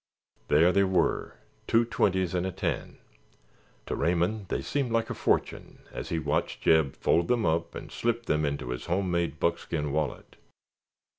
There they were—two twenties and a ten; to Raymond they seemed like a fortune as he watched Jeb fold them up and slip them into his home made buckskin wallet.